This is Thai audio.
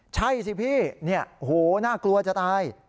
ใช่สิพี่โหน่ากลัวจะตาย